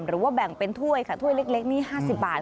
หรือว่าแบ่งเป็นถ้วยค่ะถ้วยเล็กนี่๕๐บาท